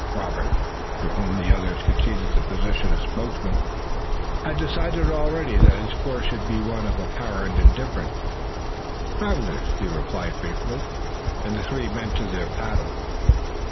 Robert, to whom the others conceded the position of spokesman, had decided already that his course should be one of apparent indifference. "Travelers," he replied briefly, and the three bent to their paddles.